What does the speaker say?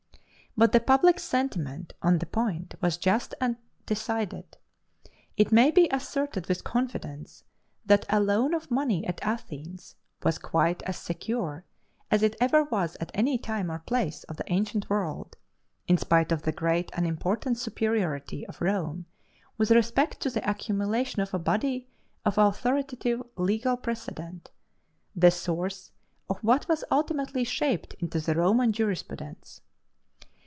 But the public sentiment on the point was just and decided. It may be asserted with confidence that a loan of money at Athens was quite as secure as it ever was at any time or place of the ancient world in spite of the great and important superiority of Rome with respect to the accumulation of a body of authoritative legal precedent, the source of what was ultimately shaped into the Roman jurisprudence.